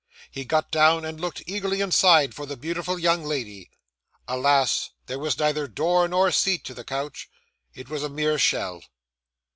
He got down, and looked eagerly inside for the beautiful young lady. Alas! There was neither door nor seat to the coach. It was a mere shell.